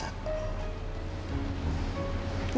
ya gue mau sih cuma